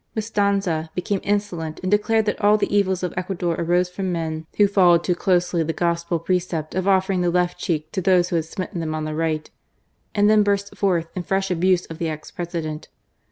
Mestanza became insolent and declared that all the evils of Ecuador arose from men " who followed too closely the Gospel precept of offering the left cheek to those who had smitten them on the right," and then burst forth in fresh abuse of the ex President.